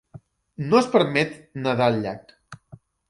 No es permet nedar al llac.